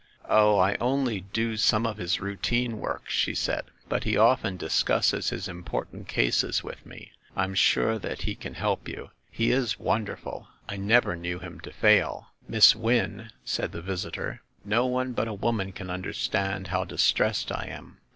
"Oh, I only do some of his routine work," she said ; "but he often discusses his important cases with me. I'm sure that he can help you. He is wonderful, I never knew him to fail," 252 THE MASTER OF MYSTERIES "Miss Wynne," said the visitor, "no one but a woman can understand how distressed I am.